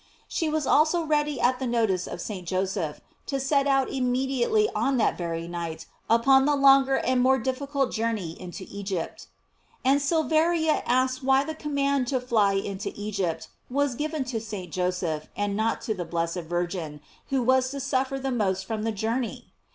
She was also ready at the notice of St. Joseph, to set out immediately on that very night upon the longer and more difficult journey into Egypt. And Silveira asks why the command to fly into Egypt, was given to St. Joseph and not to the blessed Virgin, who was to suffer the most from the journey